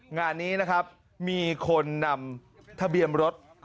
งานนี้นะครับมีคนนำทะเบียนรถ